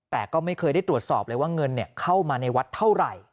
แต่ก็ไม่เคยได้ตรวจสอบเลยว่าเงินเข้ามาในวัดเท่าไหร่